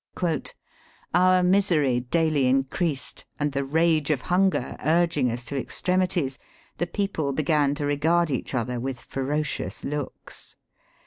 " Our misery daily increa^d, and the rage of hunger urging us to extremities, the people began to regard each other with ferocious looks.